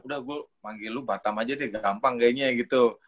udah gue manggil lu batam aja deh gampang kayaknya gitu